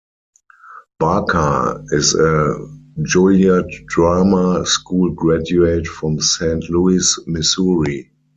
Barker is a Juilliard Drama School graduate from Saint Louis, Missouri.